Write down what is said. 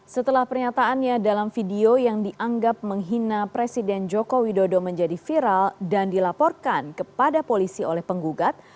setelah pernyataannya dalam video yang dianggap menghina presiden joko widodo menjadi viral dan dilaporkan kepada polisi oleh penggugat